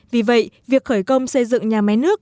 vì vậy việc khởi công xây dựng nhà máy nước